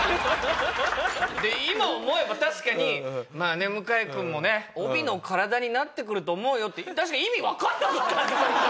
で今思えば確かに「まあ向井君もね帯の体になってくると思うよ」って確かに意味わからなかったんです